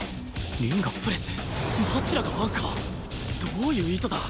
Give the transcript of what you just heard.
凛がプレス蜂楽がアンカーどういう意図だ？